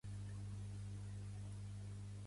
També hi va col·laborar amb algun o altre article.